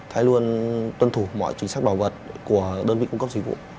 hãy luôn tuân thủ mọi chính sách bảo vật của đơn vị cung cấp dịch vụ